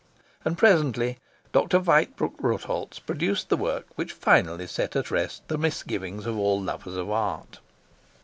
And presently Dr. Weitbrecht Rotholz produced the work which finally set at rest the misgivings of all lovers of art.